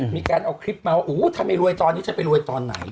มีการเอาคลิปมาว่าถ้าไม่รวยตอนนี้จะไปรวยตอนไหน